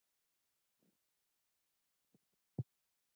ازادي راډیو د سیاست د تحول لړۍ تعقیب کړې.